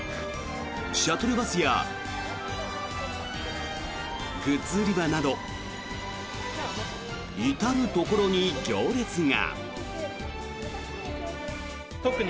シャトルバスやグッズ売り場など至るところに行列が。